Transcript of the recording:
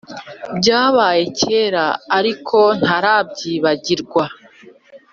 Byabaye kera ariko ntarabyibagirwa